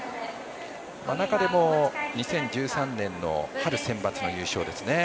中でも２０１３年の春センバツの優勝